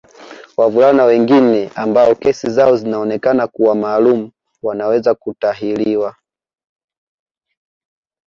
Wavulana wengine ambao kesi zao zinaonekana kuwa maalum wanaweza kutahiriwa